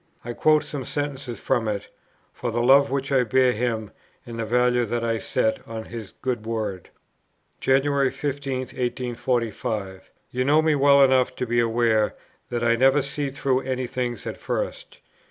I quote some sentences from it, for the love which I bear him and the value that I set on his good word. "January 15, 1845. You know me well enough to be aware, that I never see through any thing at first.